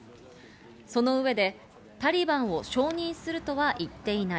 その上でタリバンを承認するとは言っていない。